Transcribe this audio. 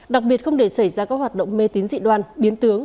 đặc biệt không để xảy ra các hoạt động mê tín dị đoan biến tướng